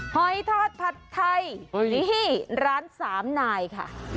หอยทอดผัดไทยร้าน๓นายค่ะ